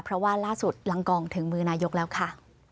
เพราะว่าล่าสุดหลังกองถึงมือนายกแล้วค่ะ